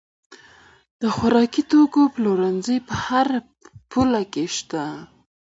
د خوراکي توکو پلورنځي په هر پلې لار کې شته.